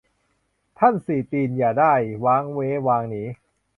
ท่านสี่ตีนอย่าได้ วากเว้วางหนี